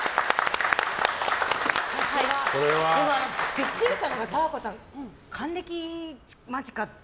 ビックリしたのが、十和子さん還暦間近って。